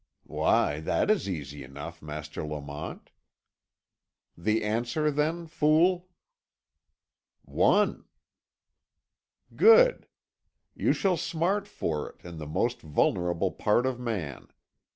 "Why, that is easy enough, Master Lamont." "The answer then, fool?" "One." "Good. You shall smart for it, in the most vulnerable part of man.